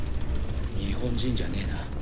日本人じゃねえな。